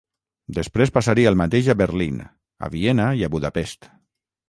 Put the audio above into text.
Després passaria el mateix a Berlín, a Viena i a Budapest.